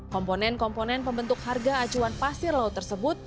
komponen komponen pembentuk harga acuan pasir laut tersebut